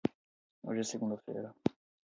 Hoje é segunda-feira.